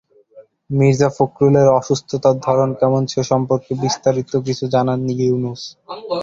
মির্জা ফখরুলের অসুস্থতার ধরন কেমন, সে সম্পর্কে বিস্তারিত কিছু জানাননি ইউনুস।